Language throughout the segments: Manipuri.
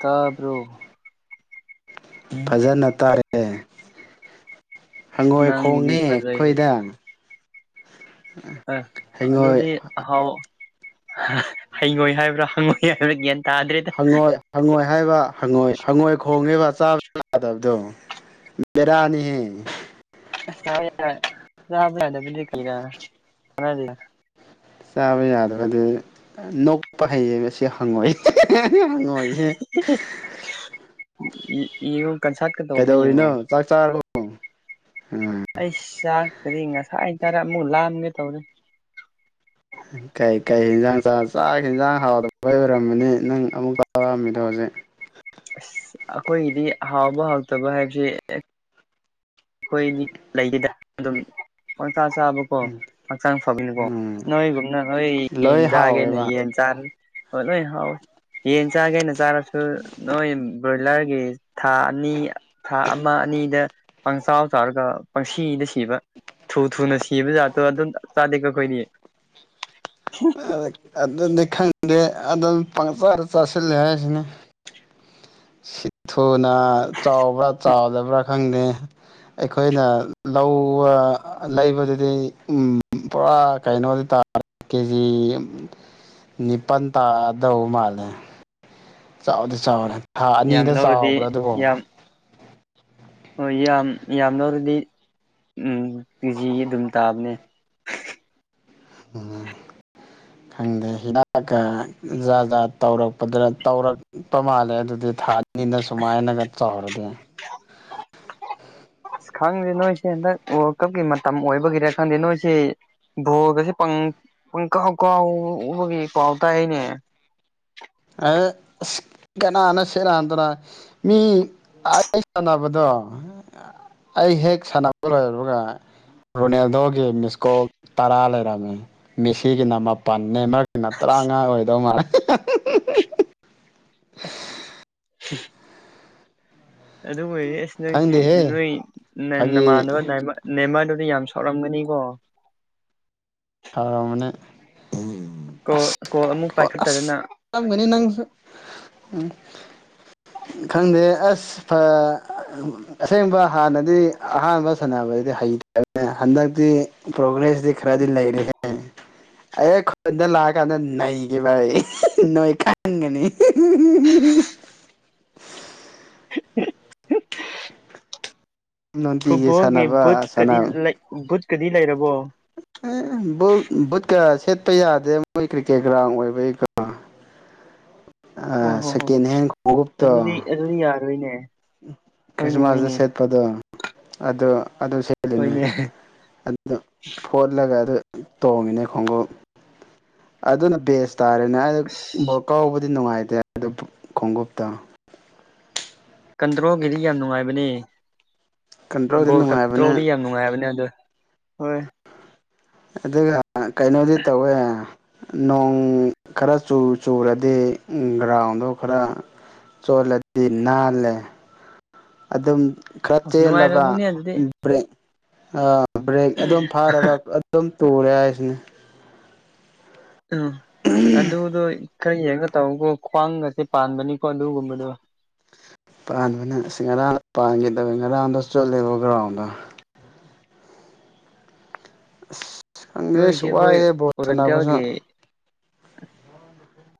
ꯇꯥꯗꯔꯣ ꯐꯖꯅ ꯇꯥꯏꯌꯦ ꯍꯪꯉꯣꯏ ꯈꯣꯡꯉꯦ ꯅꯪꯒꯤꯗꯤ ꯐꯖꯩ ꯑꯩꯈꯣꯏꯗꯥ ꯑ ꯍꯩꯉꯣꯏ ꯑꯗꯨꯗꯤ ꯑꯍꯥꯎ ꯍꯩꯉꯣꯏ ꯍꯥꯏꯕ꯭ꯔꯥ ꯍꯪꯉꯣꯏ ꯍꯥꯏꯕ꯭ꯔꯥ ꯭ꯒꯌ꯭ꯥꯟ ꯇꯥꯗ꯭ꯔꯦꯠ ꯍꯪꯉꯣꯏ ꯍꯪꯉꯣꯏ ꯍꯥꯏꯕ ꯍꯪꯉꯣꯏ ꯍꯪꯉꯣꯏ ꯈꯣꯡꯉꯦꯕ ꯆꯥꯕ ꯌꯥꯗꯕꯗꯣ ꯕꯦꯔꯥꯅꯤꯍꯦ ꯌꯥ [unintelligible] ꯌꯥꯕꯗꯗꯤ ꯀ ꯆꯥꯕ ꯌꯥꯗꯕꯗꯤ ꯅꯣꯛꯄ ꯍꯩꯌꯦꯕ ꯑꯁꯤ ꯍꯪꯉꯣꯏ ꯍꯪꯉꯣꯏ ꯌꯦꯡꯉꯣ ꯀꯟꯁꯥꯠꯀ ꯇꯧꯕꯔ꯭ ꯌꯦꯡꯉꯣ ꯀꯩꯗꯧꯔꯤꯅꯣ ꯆꯥꯛ ꯆꯥꯔꯕꯣ ꯎꯝ ꯑꯩꯁ ꯆꯥꯛꯇꯨꯗꯤ ꯉꯁꯥꯏ ꯆꯔꯦ ꯑꯃꯨꯛ ꯂꯥꯝꯒꯦ ꯇꯧꯔꯦ [inaudible] ꯀꯩ ꯀꯩ ꯍꯤꯟꯖꯥꯡ ꯆ ꯆꯥꯛ ꯍꯦꯟꯖꯥꯡ ꯍꯥꯎꯗꯕꯩ ꯑꯣꯏꯔꯝꯃꯅꯤ ꯅꯪ ꯑꯃꯨꯛ ꯆꯥꯛ ꯂꯥꯝꯃꯤꯗꯣ ꯍꯧꯖꯤꯛ ꯑꯁ ꯑꯈꯣꯏꯒꯤꯗꯤ ꯍꯥꯎꯕ ꯍꯥꯎꯇꯕ ꯍꯥꯏꯗꯤ ꯈꯣꯏꯗꯤ ꯂꯩꯗꯦꯗ ꯑꯗꯨꯝ ꯄꯪꯆꯥ ꯆꯥꯕ ꯀꯣ ꯍꯛꯆꯥꯡ ꯐꯕꯅꯤꯀꯣ ꯎꯝ ꯅꯣꯏꯒꯨꯝꯅ ꯅꯣꯏ ꯌꯦꯟ ꯂꯣꯏ ꯆꯥꯒꯦꯅ ꯍꯥꯎꯋꯦꯕ ꯌꯦꯟ ꯆꯥꯟ ꯍꯣꯏ ꯂꯣꯏ ꯍꯥꯎꯋꯦ ꯌꯦꯟ ꯆꯥꯒꯦꯅ ꯆꯥꯔꯁꯨ ꯅꯣꯏ ꯕ꯭ꯔꯣꯏꯂꯔꯒꯤ ꯊꯥ ꯑꯅꯤ ꯊꯥ ꯑꯃ ꯑꯅꯤꯗ ꯄꯪꯆꯥꯎ ꯆꯥꯎꯔꯒ ꯄꯪꯁꯤꯗ ꯁꯤꯕ ꯊꯨ ꯊꯨꯅ ꯁꯤꯕ ꯖꯥꯠꯇꯣ ꯑꯗꯨꯝ ꯆꯥꯗꯦꯀꯣ ꯈꯣꯏꯅꯤ ꯑ ꯑꯗꯨꯅꯤ ꯈꯪꯗꯦ ꯑꯗꯨꯝ ꯄꯪꯆꯥꯥꯗ ꯆꯥꯁꯤꯜꯂꯦ ꯍꯥꯏꯁꯤꯅꯤ ꯁꯤ [inaudible] ꯊꯨꯅ ꯆꯥꯎꯕ꯭ꯔꯥ ꯆꯥꯎꯗꯕ꯭ꯔꯥ ꯈꯪꯗꯦ ꯑꯩꯈꯣꯏꯅ ꯂꯧꯋꯥ ꯂꯩꯕꯗꯨꯗꯤ ꯎꯝ ꯄꯨꯔꯥ ꯀꯩꯅꯣꯗꯤ ꯇꯥꯔꯦ ꯖꯤ ꯅꯤꯄꯥꯟ ꯇꯥꯗꯧ ꯃꯥꯜꯂꯦ ꯆꯥꯎꯗꯤ ꯆꯥꯎꯔꯦ ꯊꯥ ꯌꯥꯝ ꯑꯅꯤꯗ ꯂꯧꯔꯗꯤ ꯆꯥꯎꯕ꯭ꯔꯥ ꯑꯗꯨꯕꯣ ꯌꯥꯝ ꯍꯣꯏ ꯌꯥꯝ ꯌꯥꯝ ꯂꯧꯔꯗꯤ ꯎꯝ ꯀꯦꯖꯤ ꯑꯗꯨꯝ ꯇꯥꯕꯅꯦ ꯎꯝ ꯈꯪꯗꯦ ꯍꯤꯗꯥꯛꯀ ꯖꯥꯠ ꯖꯥꯠ ꯇꯧꯔꯛꯄꯗꯔ ꯇꯧꯔꯛ ꯄ ꯃꯥꯜꯂꯦ ꯑꯗꯨꯗꯤ ꯊꯥꯑꯅꯤꯅ ꯁꯨꯃꯥꯏꯅꯒ ꯆꯥꯎꯔꯗꯤ ꯑꯁ ꯈꯪꯗꯦ ꯅꯣꯏꯁꯦ ꯍꯟꯗꯛ ꯋꯥꯔꯜ ꯀꯞꯀꯤ ꯃꯇꯝ ꯑꯣꯏꯕꯒꯤꯔ ꯈꯪꯗꯦ ꯅꯣꯏꯁꯤ ꯕꯣꯜꯒꯁꯦ ꯄꯪ ꯄꯪꯀꯥꯎ ꯀꯥꯎꯕꯒꯤ ꯄꯥꯎ ꯇꯥꯏꯅꯦ ꯑꯩ ꯑꯁ ꯀꯅꯥꯅ ꯁꯦꯔꯥꯟ ꯇꯨꯔꯥꯟ ꯃꯤ ꯑꯩ ꯁꯥꯟꯅꯕꯗꯣ ꯑꯩ ꯍꯦꯛ ꯁꯥꯟꯅꯕ ꯂꯣꯏꯕꯒ ꯔꯣꯅꯦꯜꯗꯣꯒꯤ ꯃꯤꯁꯀꯣꯜ ꯇꯔꯥ ꯂꯩꯔꯝꯃꯤ ꯃꯦꯁꯤꯒꯤꯅ ꯃꯥꯄꯟ ꯅꯦꯝꯃꯔ ꯅ ꯇꯔꯥꯃꯉꯥ ꯑꯣꯏꯗꯧ ꯃꯥꯜꯂꯦ [unintelligible] ꯑꯗꯨ ꯑꯣꯏꯔꯦ ꯑꯁ ꯅꯪꯁꯤ ꯈꯪꯗꯦꯍꯦ ꯅꯣꯏ ꯐꯥꯒꯤ ꯅꯃꯥꯟꯅꯕ ꯅꯦꯝꯃꯔ ꯅꯦꯝꯃꯔꯗꯨꯗꯤ ꯌꯥꯝ ꯁꯥꯎꯂꯝꯒꯅꯤꯀꯣ ꯁꯥꯎꯔꯝꯃꯅꯤ ꯀꯣ ꯀꯣꯜ ꯑꯃꯨꯛ ꯄꯥꯏꯈꯠꯇꯗꯅ [unintelligible] ꯇꯔꯝꯒꯅꯤ ꯅꯪꯁꯨ ꯎꯝ ꯈꯪꯗꯦ ꯑꯁ ꯐꯥ ꯑꯁꯦꯡꯕ ꯍꯥꯟꯅꯗꯤ ꯑꯍꯥꯟꯕ ꯁꯥꯟꯅꯕꯗꯤ ꯍꯩꯇꯕꯅꯦ ꯍꯟꯗꯛꯇꯤ ꯄ꯭ꯔꯣꯒ꯭ꯔꯦꯁꯇꯤ ꯈꯔꯗꯤ ꯂꯩ [unintelligible] ꯑꯩ ꯍꯦꯛ ꯈꯨꯟꯗ ꯂꯥꯛꯑꯀꯥꯟꯗ ꯅꯩꯒꯦ ꯚꯥꯏ ꯅꯣꯏ ꯈꯪꯒꯅꯤ [unintelligible] ꯅꯨꯡꯇꯤꯒꯤ ꯐꯨꯠꯕꯣꯜꯒꯤ ꯁꯥꯟꯅꯕ ꯁꯥꯟꯅ ꯕꯨꯠꯀꯗꯤ ꯂꯩ ꯕꯨꯠꯀꯗꯤ ꯂꯩꯔꯕꯣ ꯑꯦ ꯕꯨꯠ ꯕꯨꯠ ꯀꯌꯥ ꯁꯦꯠꯄ ꯌꯥꯗꯦ ꯃꯣꯏ ꯀ꯭ꯔꯤꯀꯦꯠ ꯒ꯭ꯔꯥꯎꯟ ꯑꯣꯏꯕꯩ ꯑꯣ ꯍꯣ ꯍꯣ ꯁꯦꯀꯦꯟ ꯍꯦꯟ ꯈꯣꯡꯎꯞꯇꯣ ꯑꯗꯨꯗꯤ ꯑꯗꯨꯗꯤ ꯌꯥꯔꯣꯏꯅꯦ ꯍꯣꯏꯅꯦ ꯈ꯭ꯔꯤꯁꯃꯥꯁꯇ ꯍꯣꯏꯅꯦ ꯁꯦꯠꯄꯗꯣ ꯑꯗꯨ ꯑꯗꯨ ꯁꯦꯠꯂꯤꯅꯦ ꯍꯣꯏꯅꯦ ꯑꯗꯨ ꯐꯣꯠꯂꯒ ꯑꯗꯨ ꯇꯣꯡꯉꯤꯅꯦ ꯈꯣꯡꯎꯞ ꯑꯗꯨꯅ ꯕꯦꯁ ꯇꯥꯔꯦꯅꯦ ꯑꯩꯗ ꯕ ꯀꯥꯎꯕꯗꯤ ꯅꯨꯡꯉꯥꯏꯇꯦ ꯑꯗꯨ ꯈꯣꯡꯎꯞꯇꯣ ꯀꯟꯇ꯭ꯔꯣꯜꯒꯤꯗꯤ ꯌꯥꯝ ꯅꯨꯡꯉꯥꯏꯕꯅꯦ ꯀꯟꯇ꯭ꯔꯣꯜꯗꯤ ꯕꯣꯜ ꯅꯨꯡꯉꯥꯏꯕꯅꯦ ꯀꯟꯇ꯭ꯔꯣꯜꯗꯤ ꯌꯥꯝ ꯅꯨꯡꯉꯥꯏꯕꯅꯦ ꯑꯗꯣ ꯍꯣꯏ ꯑꯗꯨꯒ ꯀꯩꯅꯣꯗꯤ ꯇꯧꯋꯦ ꯅꯣꯡ ꯈꯔ ꯆꯨ ꯆꯨꯔꯗꯤ ꯒ꯭ꯔꯥꯎꯟꯗꯣ ꯈꯔ ꯆꯣꯠꯂꯗꯤ ꯅꯥꯜꯂꯦ ꯑꯗꯨꯝ ꯈꯔ ꯆꯦꯜꯂꯕ ꯅꯨꯡꯉꯥꯏꯔꯝꯒꯅꯤ ꯑꯗꯨꯗꯤ ꯕ꯭ꯔꯦꯛ ꯑꯥ ꯕ꯭ꯔꯦꯛ ꯑꯗꯨꯝ ꯐꯥꯔꯕ ꯑꯗꯨꯝ ꯇꯨꯔꯦ ꯍꯥꯏꯁꯤꯅꯤ ꯎꯝ ꯑꯗꯨꯗꯣ ꯈꯔ ꯌꯦꯡꯒ ꯇꯧꯋꯣꯀꯣ ꯈ꯭ꯋꯥꯡꯒꯁꯦ ꯄꯥꯟꯕꯅꯤꯀꯣ ꯑꯗꯨꯒꯨꯝꯕꯗꯣ ꯄꯥꯟꯕꯅ ꯑꯁ ꯉꯔꯥꯡ ꯄꯥꯟꯒꯦ ꯇꯧꯋꯂ ꯉꯔꯥꯡꯗꯣ ꯆꯣꯠꯂꯦꯕ ꯒ꯭ꯔꯥꯎꯟꯗꯣ ꯑꯁ ꯈꯪꯗꯦ ꯅꯣꯏꯁꯦ ꯑꯁ ꯑꯩꯈꯣꯏ ꯋꯥꯏꯍꯦ ꯕꯣꯜ ꯁꯥꯟꯅꯕꯁꯨ ꯑꯣꯔꯦꯟꯇꯦꯜꯒꯤ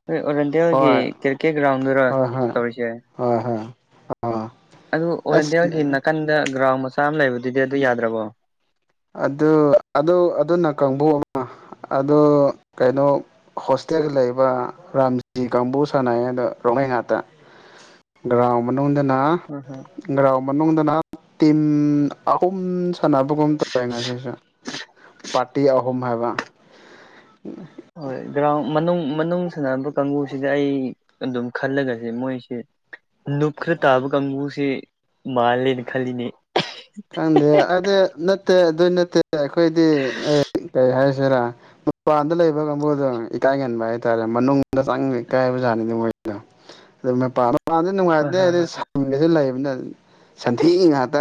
ꯅꯣꯏ ꯑꯣꯔꯦꯟꯇꯦꯜꯒꯤ ꯍꯣꯏ ꯀ꯭ꯔꯤꯀꯦꯠ ꯒ꯭ꯔꯥꯎꯟꯗꯨꯔꯣ ꯍꯣꯏ ꯍꯣꯏ ꯇꯧꯔꯤꯁꯦ ꯍꯣꯏ ꯍꯣꯏ ꯑꯣ ꯑꯗꯨ ꯑꯣꯔꯦꯟꯗꯦꯜꯒꯤ ꯅꯥꯀꯟꯗ ꯒ꯭ꯔꯥꯎꯟ ꯃꯆꯥ ꯑꯃ ꯂꯩꯕꯗꯨꯗꯤ ꯑꯗꯨ ꯌꯥꯗ꯭ꯔꯕꯣ ꯑꯗꯨ ꯑꯗꯨ ꯑꯗꯨꯅ ꯀꯪꯕꯒꯨꯝꯅ ꯑꯗꯨ ꯀꯩꯅꯣ ꯍꯣꯁꯇꯦꯜꯗ ꯂꯩꯕ ꯔꯥꯝꯖꯤ ꯀꯥꯡꯕꯨ ꯁꯥꯟꯅꯩꯌꯦꯗꯣ ꯔꯣꯃꯩ ꯉꯠꯇ ꯒ꯭ꯔꯥꯎꯟ ꯃꯅꯨꯡꯗꯅ ꯎꯝ ꯍꯝ ꯒ꯭ꯔꯥꯎꯟ ꯃꯅꯨꯡꯗꯅ ꯇꯤꯝ ꯑꯍꯨꯝ ꯁꯥꯟꯅꯕ ꯈꯣꯏ ꯉꯁꯤꯁꯨ ꯄꯥꯔꯇꯤ ꯑꯍꯨꯝ ꯍꯥꯏꯕ ꯍꯣꯏ ꯒ꯭ꯔꯥꯎꯟ ꯃꯅꯨꯡ ꯃꯅꯨꯡ ꯁꯥꯟꯅꯕ ꯀꯥꯡꯕꯨꯁꯤꯗꯤ ꯑꯩ ꯑꯗꯨꯝ ꯈꯜꯂꯒꯗꯤ ꯃꯣꯏꯁꯦ ꯅꯨꯞ ꯈꯔ ꯇꯥꯕ ꯀꯥꯡꯒꯨꯁꯦ ꯃꯥꯥꯜꯂꯦꯅ ꯈꯜꯂꯤꯅꯦ ꯈꯪꯗꯦ ꯑꯗꯨ ꯅꯠꯇꯦ ꯑꯗꯨꯏ ꯅꯠꯇꯦ ꯑꯩꯈꯣꯏꯗꯤ ꯑꯩ ꯀꯩ ꯍꯥꯏꯁꯤꯔꯥ ꯃꯄꯥꯟꯗ ꯂꯩꯕ ꯀꯥꯡꯕꯨꯗꯣ ꯏꯀꯥꯏꯒꯟꯕ ꯍꯥꯏꯇꯥꯔꯦ ꯃꯅꯨꯡꯗ ꯆꯪꯕ ꯏꯀꯥꯏꯕꯖꯥꯠꯅꯤ ꯃꯣꯏꯗꯣ ꯑꯗꯨ ꯃꯄꯥ ꯃꯄꯥꯟꯗꯤ ꯍꯣꯏ ꯅꯨꯡꯉꯥꯏꯇꯦ ꯍꯣꯏ ꯍꯣꯏ ꯁꯟꯒꯁꯨ ꯂꯩꯕꯅꯤ ꯁꯟꯊꯤ ꯉꯥꯛꯇ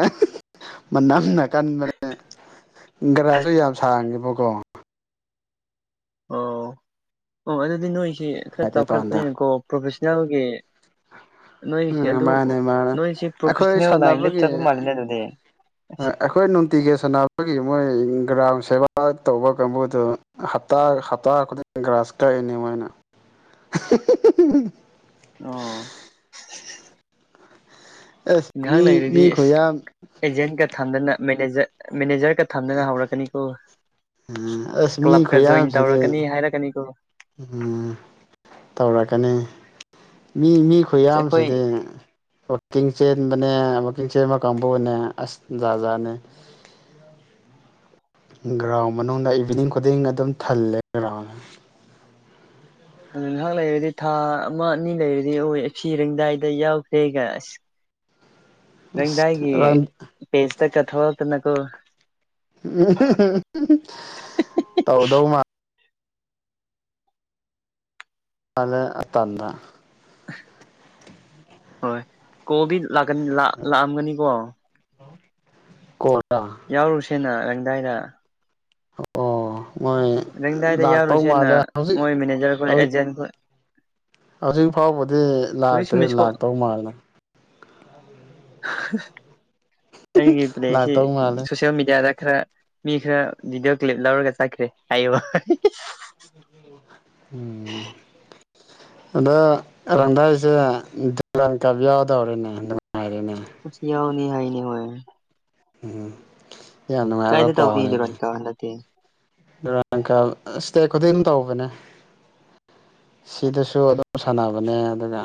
ꯃꯅꯝꯅ ꯀꯟꯕꯅꯦ ꯒ꯭ꯔꯥꯁꯨ ꯌꯥꯝ ꯁꯥꯡꯉꯦꯕꯀꯣ ꯑꯣ ꯑꯣ ꯑꯗꯨꯗꯤ ꯅꯣꯏꯁꯤ ꯈꯔ ꯃꯄꯥꯟꯗ ꯆꯥꯎꯈꯠꯄꯅꯤꯅꯀꯣ ꯄ꯭ꯔꯣꯐꯦꯁꯅꯦꯜꯒꯤ ꯅꯣꯏꯁꯦ ꯎꯝ ꯑꯗꯨ ꯃꯥꯅꯦ ꯃꯥꯅꯦ ꯅꯣꯏꯁꯤ ꯑꯩꯈꯣꯏ ꯄ꯭ꯔꯣꯐꯦꯁꯅꯦꯜ ꯂꯥꯏꯟꯗ ꯁꯥꯟꯅꯕꯒꯤ ꯆꯠꯄ ꯃꯥꯜꯂꯤꯅꯦ ꯑꯗꯨꯗꯤ ꯑꯁ ꯑꯩꯈꯣꯏ ꯅꯨꯡꯇꯤꯒꯤ ꯁꯥꯟꯅꯕꯒꯤ ꯃꯣꯏ ꯒ꯭ꯔꯥꯝ ꯁꯦꯕꯥ ꯇꯧꯕ ꯀꯥꯡꯕꯨꯗꯨ ꯍꯞꯇꯥ ꯍꯞꯇꯥ ꯈꯨꯗꯤꯡ ꯒ꯭ꯔꯥꯁ ꯀꯛꯏꯅꯦ ꯃꯣꯏꯅ ꯑꯣ ꯑꯁ ꯉꯥꯏꯍꯥꯛ ꯃꯤ ꯂꯩꯔꯗꯤ ꯃꯤ ꯑꯁ ꯈꯨꯌꯥꯝ ꯑꯦꯖꯦꯟꯒ ꯊꯝꯗꯅ ꯃꯦꯅꯦꯖꯔ ꯃꯦꯅꯦꯖꯔꯒ ꯊꯝꯗꯅ ꯍꯧꯔꯛꯀꯅꯤꯀꯣ ꯑꯁ ꯃꯤ ꯀ꯭ꯂꯕꯀ ꯖꯣꯏꯟ ꯈꯨꯌꯥꯝꯁꯤꯗꯤ ꯇꯧꯔꯛꯀꯅꯤ ꯍꯥꯏꯔꯛꯀꯅꯤꯀꯣ ꯎꯝ ꯇꯧꯔꯛꯀꯅꯤ ꯃꯤ ꯃꯤ ꯑꯁ ꯑꯩꯈꯣꯏ ꯈꯨꯌꯥꯝꯁꯤꯗꯤ ꯋꯥꯛꯀꯤꯡ ꯆꯦꯟꯕꯅꯦ ꯋꯥꯛꯀꯤꯡ ꯆꯦꯟꯕ ꯀꯥꯡꯕꯨꯅꯦ ꯑꯁ ꯖꯥꯠ ꯖꯥꯠꯅꯦ ꯒ꯭ꯔꯥꯎꯟ ꯃꯅꯨꯡꯗ ꯏꯚꯤꯅꯤꯡ ꯈꯨꯗꯤꯡ ꯑꯗꯨꯝ ꯊꯜꯂꯦ ꯒ꯭ꯔꯥꯎꯟ ꯑꯗꯣ ꯉꯥꯏꯍꯥꯛ ꯂꯩꯔꯗꯤ ꯊꯥ ꯑꯃ ꯑꯅꯤ ꯂꯩꯔꯗꯤ ꯑꯣꯏ ꯁꯤꯔꯦꯡꯗꯥꯏꯗ ꯌꯥꯎꯈ꯭ꯔꯦꯒ ꯑꯁ ꯑꯁ ꯔꯪꯗꯥꯏꯒꯤ ꯔꯟ ꯄꯦꯖꯇꯀ ꯊꯣꯛꯔꯛꯇꯅꯀꯣ [unintelligible] ꯇꯧꯗꯧ ꯃꯥꯜ ꯃꯥꯂꯦ ꯑꯇꯟꯗ ꯍꯣꯏ ꯀꯣꯜꯗꯤ ꯂꯥꯛꯀꯅꯤ ꯂꯥꯛ ꯂꯥꯛꯑꯝꯒꯅꯤꯀꯣ [unintelligible] ꯌꯥꯎꯔꯨꯁꯦꯅ ꯂꯪꯗꯥꯏꯗ ꯑꯣ ꯃꯣꯏ ꯔꯦꯡꯗꯥꯏꯗ ꯂꯥꯛꯇꯧ ꯌꯥꯎꯔꯨꯁꯦꯅ ꯃꯥꯜꯂꯦ ꯍꯧꯖꯤꯛ ꯃꯣꯏ ꯃꯦꯅꯦꯖꯔ ꯈꯣꯏ ꯍꯧꯖꯤꯛ ꯑꯦꯖꯦꯟ ꯈꯣꯏ ꯍꯧꯖꯤꯛ ꯐꯥꯎꯕꯗꯤ [unintelligible] ꯂꯥꯛꯇ꯭ꯔꯦ ꯃꯤꯁꯀꯣ ꯂꯥꯛꯇꯧ ꯃꯥꯜꯂꯦ [unintelligible] ꯑꯩꯒꯤ ꯂꯥꯛꯇꯧ ꯃꯥꯜꯂꯦ [unintelligible] ꯁꯣꯁꯤꯜ ꯃꯦꯗꯤꯌꯥꯗ ꯈꯔ ꯃꯤ ꯈꯔ ꯚꯤꯗꯤꯑꯣ ꯀ꯭ꯂꯤꯞ ꯂꯧꯔꯒ ꯆꯠꯈ꯭ꯔꯦ ꯍꯥꯏꯌꯨ ꯎꯝ ꯑꯗꯣ ꯔꯪꯗꯥꯏꯁꯦ ꯗꯨꯔꯥꯟ ꯀꯞ ꯌꯥꯎꯗꯧꯔꯦꯅꯦ ꯅꯨꯡꯉꯥꯏꯔꯦꯅꯦ ꯌꯥꯎꯅꯤ ꯍꯥꯏꯅꯦ ꯃꯣꯏ [unintelligible] ꯀꯥꯏꯗ ꯅꯨꯡꯉꯥꯏꯕ ꯇꯧꯅꯤ ꯄꯥꯎꯅꯤꯅꯦ ꯗꯨꯔꯥꯟ ꯀꯞ ꯍꯟꯗꯛꯇꯤ ꯗꯨꯔꯥꯟ ꯀꯞ ꯁ꯭ꯇꯦꯠ ꯈꯨꯗꯤꯡ ꯇꯧꯕꯅꯦ ꯁꯤꯗꯁꯨ ꯑꯗꯨꯝ ꯁꯥꯟꯅꯕꯅꯦ ꯑꯗꯨꯒ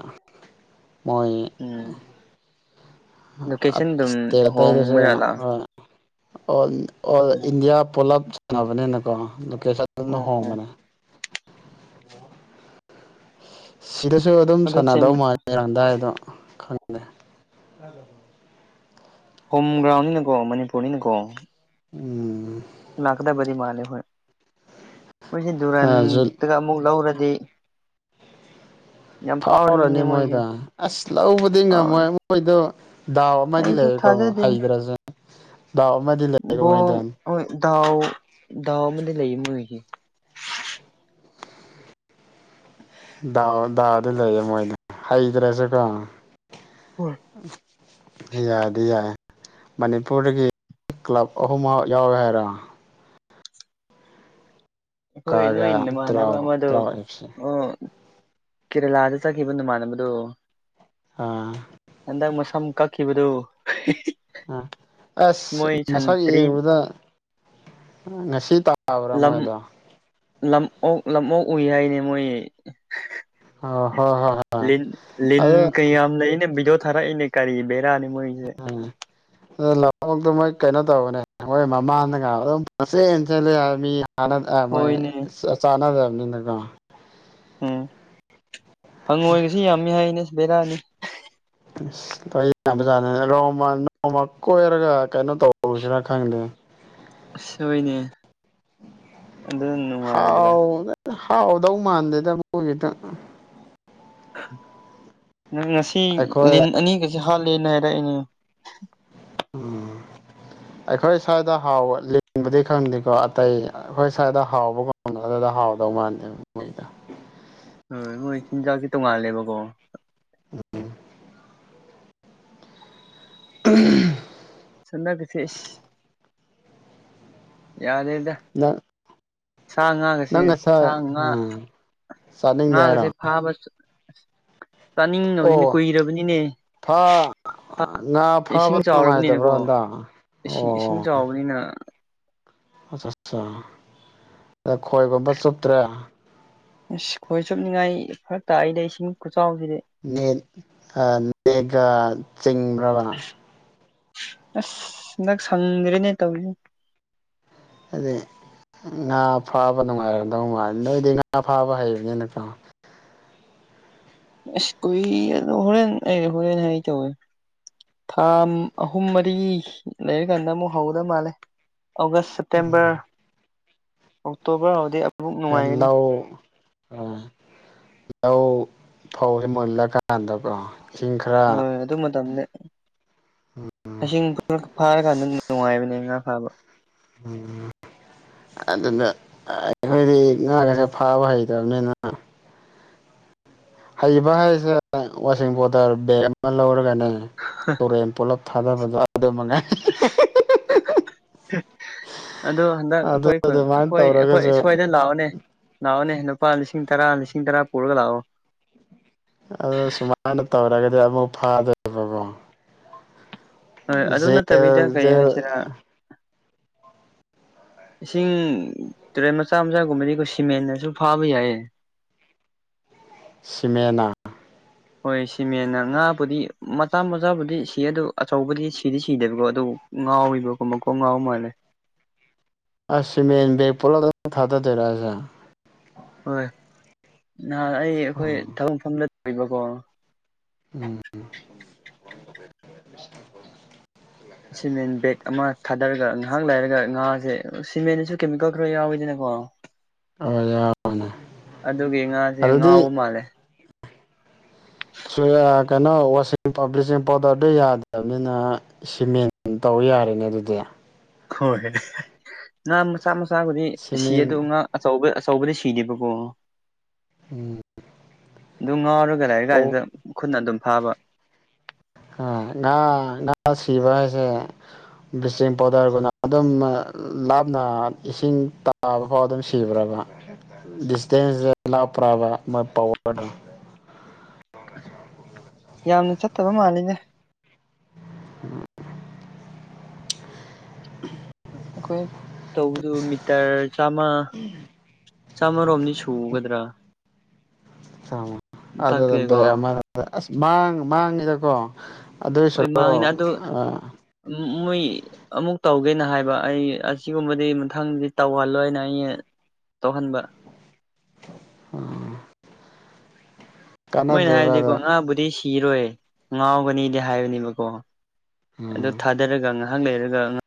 ꯃꯣꯏ ꯎꯝ ꯂꯣꯀꯦꯁꯟ ꯑꯗꯨꯝ ꯁ꯭ꯇꯦꯠ ꯑꯇꯩꯗꯁꯨ ꯍꯣꯡꯕꯖꯥꯠꯂꯥ ꯍꯣꯢ ꯑꯣꯟ ꯑꯣꯜ ꯎꯝ ꯏꯟꯗꯤꯌꯥ ꯄꯨꯂꯞ ꯁꯥꯟꯅꯕꯅꯤꯅꯀꯣ ꯑꯣ [unintelligible] ꯑꯣ ꯍꯣꯡꯕꯅꯦ ꯁꯤꯗꯁꯨ ꯑꯗꯨꯝ ꯑꯗꯣ ꯁꯦꯝ ꯁꯥꯟꯅꯗꯧ ꯃꯥꯜꯂꯦ ꯔꯥꯡꯗꯥꯏꯗꯣ ꯈꯪꯗꯦ ꯍꯣꯝ ꯒ꯭ꯔꯥꯎꯟꯅꯤꯅꯀꯣ ꯃꯅꯤꯄꯨꯔꯅꯤꯅꯀꯣ ꯎꯝ ꯂꯥꯛꯀꯗꯕꯗꯤ ꯃꯥꯜꯂꯦ ꯍꯣꯏ ꯃꯣꯏꯁꯤ ꯗꯨꯨꯔꯟ ꯖꯨꯠ ꯀꯞ ꯑꯃꯨꯛ ꯂꯧꯔꯗꯤ ꯌꯥꯝ ꯐꯥꯎꯔꯅꯤ ꯐꯥꯎꯔꯅꯤꯅꯦ ꯃꯣꯏꯁꯦ ꯃꯣꯏꯗꯣ ꯑꯁ ꯂꯧꯕꯗꯤ ꯉꯝꯃꯣꯏ ꯐꯥꯎꯔꯅꯤ ꯃꯣꯏꯗꯣ ꯗꯥꯎ ꯑꯃꯗꯤ ꯑꯩꯁꯨ ꯂꯩꯌꯦꯀꯣ ꯊꯥꯖꯗꯦꯅꯦ ꯍꯩꯇ꯭ꯔꯖꯨ ꯗꯥꯎ ꯑꯃꯗꯤ ꯂꯩꯌꯦꯕ ꯕꯣꯜ ꯃꯣꯏꯗꯣ ꯍꯣꯏ ꯗꯥꯎ ꯗꯥꯎ ꯑꯃꯗꯤ ꯂꯩ ꯃꯣꯏꯒꯤ ꯗꯥꯎ ꯗꯥꯎꯗ ꯂꯩꯌꯦ ꯃꯣꯏꯗꯣ ꯍꯩꯇ꯭ꯔꯁꯨꯀꯣ ꯍꯣꯏ ꯌꯥꯗꯤ ꯌꯥꯏ ꯃꯅꯤꯄꯨꯔꯗꯒꯤ ꯀ꯭ꯂꯕ ꯑꯍꯨꯝ ꯃꯛ ꯌꯥꯎꯋꯦ ꯍꯥꯏꯔꯣ ꯍꯣꯏ ꯅꯣꯏ ꯀꯥꯒ ꯅꯃꯥꯟꯅꯕ ꯇꯔꯥꯎ ꯑꯃꯗꯣ ꯇꯔꯥꯎ ꯑꯦꯐ ꯁꯤ ꯑꯣ ꯀꯦꯔꯦꯂꯥꯗ ꯆꯠꯈꯤꯕ ꯅꯃꯥꯟꯅꯕꯗꯣ ꯑꯥ ꯍꯟꯗꯛ ꯃꯁꯝ ꯀꯛꯈꯤꯕꯗꯨ ꯑ ꯑꯁ ꯃꯣꯏ ꯃꯁꯛ ꯁꯟꯇ꯭ꯔꯤ ꯌꯦꯡꯕꯗ ꯉꯁꯤ ꯇꯥꯕ꯭ꯔꯥ ꯃꯣꯏꯗꯣ ꯂꯝ ꯑꯣꯛ ꯂꯝ ꯑꯣꯛ ꯎꯏ ꯍꯥꯏꯅꯦ ꯃꯣꯏ ꯑꯣ ꯍꯣꯏ ꯍꯣꯏ ꯍꯣꯏ ꯂꯤꯟ ꯂꯤꯟ ꯑꯗꯣ ꯀꯩ ꯌꯥꯝ ꯂꯩꯅꯦ ꯕꯤꯗꯤꯌꯣ ꯊꯥ ꯊꯔꯛꯏꯅꯦ ꯀꯔꯤ ꯕꯦꯔꯥꯅꯤ ꯃꯣꯏꯖꯦ [unintelligible] ꯑ ꯂꯝꯑꯣꯛꯇꯣ ꯃꯣꯏ ꯀꯩꯅꯣ ꯇꯧꯕꯅꯦ ꯃꯣꯏ ꯃꯃꯥꯡꯗꯒ ꯑꯗꯨꯝ ꯄꯨꯡꯆꯦꯟ ꯆꯦꯜꯂꯦ ꯍꯥꯏ ꯃꯤ ꯆꯅꯗ ꯑ ꯃꯣꯏ ꯍꯣꯏꯅꯦ ꯆꯥ ꯆꯥꯅꯗꯕꯅꯤꯅꯀꯣ ꯎꯝ ꯍꯪꯉꯣꯏꯒꯁꯤ ꯌꯥꯝꯃꯤ ꯍꯥꯏꯅꯦ ꯕꯦꯔꯥꯅꯤ ꯑꯁ ꯑꯈꯣꯢ ꯌꯥꯝꯕꯖꯥꯠꯅꯦ ꯔꯣꯡꯃ ꯅꯣꯡꯃ ꯀꯣꯏꯔꯒ ꯀꯩꯅꯣ ꯇꯧꯔꯨꯁꯤꯔꯥ ꯈꯪꯗꯦ ꯑꯁ ꯍꯣꯏꯅꯦ ꯑꯗꯨ ꯅꯨꯡꯉꯥꯏꯒꯗ꯭ꯔꯥ ꯍꯥꯎ ꯅ ꯍꯥꯎꯗꯧ ꯃꯥꯟꯗꯦꯗ ꯃꯣꯏꯒꯤꯗꯣ ꯅꯪ ꯉꯁꯤ ꯑꯩꯈꯣꯏ ꯂꯤꯟ ꯑꯅꯤꯒꯖꯦ ꯍꯥꯠꯂꯦꯅ ꯍꯥꯏꯔꯛꯏꯅꯦ [inaudible] ꯑꯩꯈꯣꯏ ꯁ꯭ꯋꯥꯏꯗ ꯍꯥꯎꯕ ꯂꯤꯟꯕꯨꯗꯤ ꯈꯪꯗꯦꯀꯣ ꯑꯇꯩ ꯑꯈꯣꯏ ꯁ꯭ꯋꯥꯏꯗ ꯍꯥꯎꯕꯒꯨꯝꯕꯗꯣ ꯑꯗꯨꯗ ꯍꯥꯎꯗꯧ ꯃꯥꯟꯗꯦ ꯃꯣꯏꯗꯣ ꯍꯣꯏ ꯃꯣꯏ ꯆꯤꯟꯖꯥꯛꯁꯦ ꯇꯣꯡꯉꯥꯜꯂꯦꯕꯀꯣ [unintelligible] ꯁꯅꯒꯁꯦ ꯏꯁ ꯌꯥꯗꯦꯗ ꯅ ꯁꯥ ꯉꯥꯒꯁꯦ ꯁꯥ ꯉꯥ ꯎꯝ ꯆꯥꯅꯤꯡꯗꯦ ꯍꯥꯏꯔꯣ ꯉꯥꯒꯁꯦ ꯐꯥꯕ ꯆꯥꯅꯤꯡꯉꯕꯅꯤꯅꯦ ꯑꯣ ꯀꯨꯏꯔꯕꯅꯤꯅꯦ ꯐꯥ ꯉꯥ ꯐꯥꯕ ꯏꯁꯤꯡ ꯅꯨꯡꯉꯥꯏꯇꯕ꯭ꯔꯣ ꯆꯥꯎꯔꯕꯅꯤꯅꯀꯣ ꯍꯟꯗꯛ ꯏꯁꯤꯡ ꯏꯁꯤꯡ ꯑꯣ ꯆꯥꯎꯕꯅꯤꯅ ꯑꯆꯠ ꯆꯥ ꯑ ꯈꯣꯏꯒꯨꯝꯕ ꯆꯨꯞꯇ꯭ꯔꯦ ꯏꯁ ꯈꯣꯏ ꯆꯨꯞꯅꯤꯡꯉꯥꯏ ꯐꯔꯛ ꯇꯥꯢꯗ ꯏꯁꯤꯡ ꯈꯨꯆꯥꯎꯖꯤꯗꯤ ꯅꯠ ꯑ ꯅꯦꯛꯒ ꯆꯤꯡꯕ꯭ꯔꯕ ꯑꯁ ꯍꯟꯗꯛ ꯁꯪꯗ꯭ꯔꯤꯅꯦ ꯇꯧꯏꯖꯦ ꯍꯥꯏꯗꯤ ꯉꯥ ꯐꯥꯕ ꯅꯨꯡꯉꯥꯏꯔꯝꯗꯧ ꯃꯥꯜꯂꯤ ꯅꯣꯏꯗꯤ ꯉꯥ ꯐꯥꯕ ꯍꯩꯕꯅꯤꯅ ꯀꯣ ꯑꯁ ꯀꯨꯏꯔꯦꯗ ꯑꯗꯣ ꯍꯣꯔꯦꯟ ꯑꯦ ꯍꯣꯔꯦꯟ ꯍꯥꯏꯒꯦ ꯇꯧꯋꯦ ꯊꯥ ꯑꯍꯨꯝ ꯃꯔꯤ ꯂꯩꯔꯀꯥꯟꯗ ꯑꯃꯨꯛ ꯍꯧꯒꯗꯕ ꯃꯥꯜꯂꯦ ꯑꯣꯒꯁ ꯁꯦꯞꯇꯦꯝꯕꯔ ꯎꯝ ꯑꯣꯛꯇꯣꯕꯔ ꯍꯥꯎꯗꯤ ꯑꯦ ꯂꯧ ꯑ ꯂꯧ ꯐꯧꯖꯦ ꯃꯨꯜꯂꯀꯥꯟꯗꯀꯣ ꯏꯁꯤꯡ ꯈꯔ ꯍꯣꯏ ꯑꯗꯨ ꯃꯇꯝꯗ ꯏꯁꯤꯡ ꯈꯔ ꯐꯥꯔꯀꯥꯟꯗ ꯅꯨꯡꯉꯥꯏꯕꯅꯦ ꯉꯥ ꯐꯥꯕ [unintelligible] ꯑꯗꯨꯗ ꯑꯩꯈꯣꯏꯗꯤ ꯉꯥꯒꯁꯦ ꯐꯥꯕ ꯍꯩꯇꯕꯅꯤꯅ ꯍꯩꯕ ꯍꯥꯏꯁꯦ ꯋꯥꯁꯤꯡ ꯄꯣꯗꯔ ꯕꯦꯛ ꯑꯟ ꯑꯃ ꯂꯧꯔꯒꯅꯦ ꯇꯨꯔꯦꯟ ꯄꯨꯂꯞ ꯊꯥꯗꯕꯗꯣ ꯑꯗꯨ ꯃꯉꯥꯏ ꯑꯗꯨ ꯍꯟꯗꯛ ꯑꯗꯨ ꯑꯩꯈꯣꯏ ꯈꯨꯟ ꯑꯗꯨꯃꯥꯏꯅ ꯑꯩꯈꯣꯏ ꯑꯩꯈꯣꯏ ꯇꯧꯔꯒꯁꯨ ꯁ꯭ꯋꯥꯏꯗ ꯂꯥꯛꯑꯣꯅꯦ ꯂꯥꯑꯣꯅꯦ ꯂꯨꯄꯥ ꯂꯤꯁꯤꯡ ꯇꯔꯥ ꯂꯤꯁꯤꯡ ꯇꯔꯥ ꯄꯨꯔꯒ ꯂꯥꯑꯣ ꯑꯗꯨ ꯁꯨꯃꯥꯏꯅ ꯇꯧꯔꯒꯗꯤ ꯑꯃꯨꯛ ꯐꯥꯗ‌ꯦꯕꯀꯣ ꯍꯣꯏ ꯑꯗꯨ ꯅꯠꯇꯕꯤꯗ ꯖꯦꯜ ꯀꯩ ꯖꯦꯜ ꯍꯥꯏꯁꯤꯔꯥ ꯏꯁꯤꯡ ꯇꯨꯔꯦꯟ ꯃꯆꯥ ꯃꯆꯥꯒꯨꯝꯕꯗꯤ ꯑꯈꯣꯏ ꯁꯤꯃꯦꯟꯅꯁꯨ ꯐꯥꯕ ꯌꯥꯏꯌꯦ ꯁꯤꯃꯦꯟꯅꯥ ꯍꯣꯏ ꯁꯤꯃꯦꯅ ꯉꯥꯕꯨꯗꯤ ꯃꯆꯥ ꯃꯆꯥꯕꯨꯗꯤ ꯁꯤ ꯑꯗꯨ ꯑꯆꯧꯕꯗꯤ ꯁꯤꯗꯤ ꯁꯤꯗꯦꯕꯀꯣ ꯑꯗꯨ ꯉꯥꯎꯋꯤꯕꯀꯣ ꯃꯀ‌ꯣꯛ ꯉꯥꯎ ꯃꯥꯜꯂꯦ ꯑꯁ ꯁꯤꯃꯦꯟ ꯕꯦꯒ ꯄꯨꯂꯞ ꯊꯥꯗꯗꯨꯏꯔꯥ ꯍꯥꯏꯖ‌ꯦ ꯍꯣꯏ ꯅꯍꯥꯟ ꯑꯩ ꯑꯩꯈꯣꯏ ꯊꯕꯛꯐꯝꯗ [unintelligible] ꯕꯀꯣ ꯎꯝ ꯁꯤꯃꯦꯟ ꯕꯦꯒ ꯑꯃ ꯊꯥꯗꯔꯒ ꯉꯥꯍꯥꯛ ꯂꯩꯔꯒ ꯉꯥꯁꯦ ꯁꯤꯃꯦꯟꯁꯨ ꯀꯦꯃꯤꯀꯦꯜ ꯈꯔ ꯌꯥꯎꯋꯤꯗꯅꯀꯣ ꯍꯣꯏ ꯌꯥꯎꯕꯅꯦ ꯑꯗꯨꯒꯤ ꯉꯥꯁꯦ ꯑꯗꯨꯗꯤ ꯉꯥꯎꯕ ꯃꯥꯜꯂꯦ ꯁꯨꯔꯌꯥ ꯀꯩꯅꯣ ꯋꯥꯁꯤꯡ ꯄꯥꯎꯗꯔ ꯕ꯭ꯂꯤꯆꯤꯡ ꯄꯥꯎꯗꯔꯗꯨ ꯌꯥꯗꯕꯅꯤꯅ ꯑ ꯁꯤꯃꯦꯟ ꯇꯧ ꯌꯥꯔꯦꯅꯦ ꯑꯗꯨꯗꯤ ꯍꯣꯏ ꯉꯥ ꯃꯆꯥ ꯃꯆꯥꯕꯨꯗꯤ ꯁꯤꯌꯦ ꯁꯤꯃꯦꯟ ꯑꯗꯨ ꯉꯥ ꯑꯆꯧꯕ ꯑꯆꯧꯕꯗꯤ ꯁꯤꯗꯦꯕꯀꯣ ꯎꯝ ꯑꯗꯨ ꯉꯥꯎꯔꯒ ꯂꯥꯏꯔꯀꯥꯟꯁꯤꯗ ꯈꯨꯠꯅ ꯑꯗꯨꯝ ꯐꯥꯕ ꯑ ꯉꯥ ꯉꯥ ꯁꯤꯕ ꯍꯥꯏꯁꯦ ꯕ꯭ꯂꯤꯆꯤꯡ ꯄꯥꯎꯗꯔꯒꯨꯝꯅ ꯑꯗꯨꯝ ꯑꯥ ꯂꯥꯞꯅ ꯏꯁꯤꯡ ꯇꯞ ꯇꯥꯕ ꯐꯥꯎ ꯑꯗꯨꯝ ꯁꯤꯈ꯭ꯔꯕ ꯗꯤꯁꯇꯦꯟꯁ‌ꯦ ꯂꯥꯞꯄ꯭ꯔꯕ ꯃꯣꯏ ꯄꯋꯥꯔꯗꯣ ꯌꯥꯝꯅ ꯆꯠꯇꯕ ꯃꯥꯜꯂꯤꯅꯦ ꯎ [unintelligible] ꯃꯈꯣꯏ ꯇꯧꯕꯗꯨ ꯃꯤꯇꯔ ꯆꯥꯝꯉꯥ ꯆꯥꯝꯃꯔꯣꯝꯗꯤ ꯁꯨꯒꯗ꯭ꯔꯥ ꯑ ꯑꯗꯨꯗ ꯃꯊꯛꯇꯒꯤꯀꯣ ꯑꯃ ꯑꯁ ꯃꯥꯡ ꯃꯥꯡꯉꯤꯗꯀꯣ ꯑꯗꯨꯏ ꯁꯔꯨꯛ ꯑ ꯎꯝ ꯃꯣꯏ ꯑꯃꯨꯛ ꯇꯧꯒꯦꯅ ꯍꯥꯏꯕ ꯑꯩ ꯑꯁꯤꯒꯨꯝꯕꯗꯤ ꯃꯊꯪꯗꯤ ꯇꯧꯍꯜꯂꯣꯏꯅ ꯑꯩꯩꯅ ꯇꯧꯍꯟꯕ ꯑꯥ ꯃꯣꯏꯅ ꯍꯥꯏꯗꯤꯀꯣ ꯉꯥꯕꯨꯗꯤ ꯁꯤꯔꯣꯏ ꯉꯥꯎꯒꯅꯤꯗꯤ ꯍꯥꯏꯕꯅꯦꯕꯀꯣ ꯑꯗꯨ ꯎꯝ ꯊꯥꯗꯔꯒ ꯉꯥꯍꯥꯛ ꯂꯩꯔꯒ ꯉ